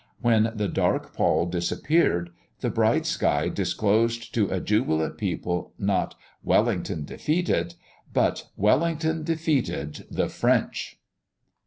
When the dark pall disappeared, the bright sky disclosed to a jubilant people, not "Wellington defeated," but "Wellington defeated the French!"